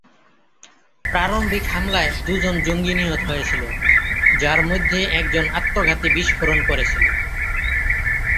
প্রারম্ভিক হামলায় দু'জন জঙ্গি নিহত হয়েছিলো, যার মধ্যে একজন আত্মঘাতী বিস্ফোরণ করেছিল।